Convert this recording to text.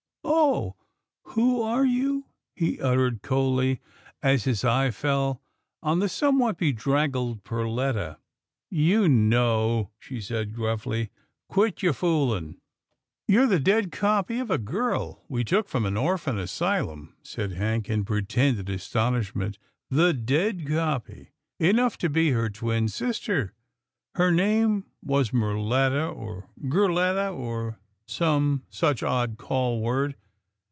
Oh ! who are you?" he uttered coldly, as his eye fell on the somewhat bedraggled Perletta. " You know," she said gruffly, " quit your foolin'." "You're the^dead copy of a girl we took from an orphan asylum," said Hank in pretended aston ishment, " the dead copy. Enough to be her twin sister. Her name was Merletta or Gerletta, or some such odd call word.